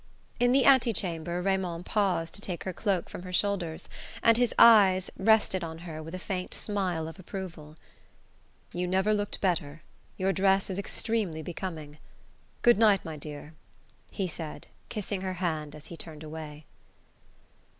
In the antechamber Raymond paused to take her cloak from her shoulders, and his eyes rested on her with a faint smile of approval. "You never looked better; your dress is extremely becoming. Good night, my dear," he said, kissing her hand as he turned away.